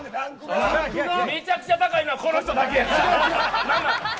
めちゃくちゃ高いのはこの人だけ。